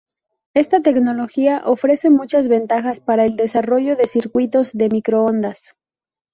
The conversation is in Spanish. Esta tecnología ofrece muchas ventajas para el desarrollo de circuitos de microondas.